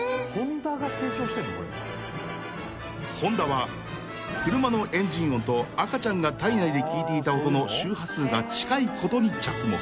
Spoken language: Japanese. ［ＨＯＮＤＡは車のエンジン音と赤ちゃんが胎内で聞いていた音の周波数が近いことに着目］